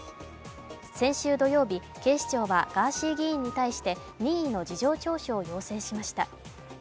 先週土曜日、警視庁はガーシー議員に対して任意の事情聴取を要請しました。